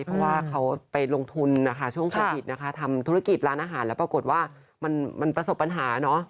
เพราะว่าเขาไปลงทุนนะคะช่วงโควิดนะคะทำธุรกิจร้านอาหารแล้วปรากฏว่ามันประสบปัญหาเนอะ